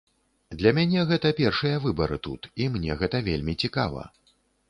Для мяне гэта першыя выбары тут, і мне гэта вельмі цікава.